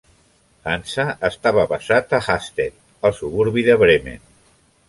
Hansa estava basat a Hastedt, el suburbi de Bremen.